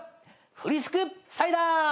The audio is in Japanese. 「フリスクサイダー」